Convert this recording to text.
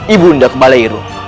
ibu anda kembali rumah